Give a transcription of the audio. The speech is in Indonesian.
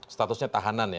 statusnya tahanan ya